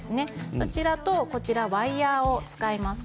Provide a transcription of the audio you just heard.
それとワイヤーを使います。